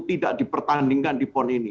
tidak di pertandingkan di pond ini